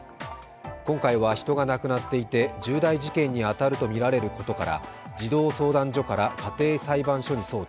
今回は人が亡くなっていて重大事件に当たるとみられることから、児童相談所から家庭裁判所に装置。